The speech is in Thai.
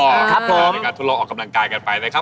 ในการทุลออกกำลังกายกันไปนะครับ